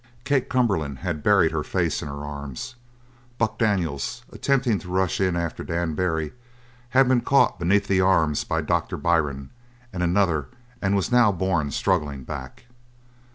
Kate Cumberland had buried her face in her arms; Buck Daniels, attempting to rush in after Dan Barry, had been caught beneath the arms by Doctor Byrne and another and was now borne struggling back.